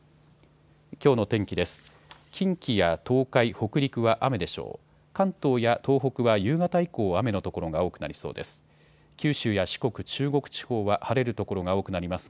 きょうの天気です。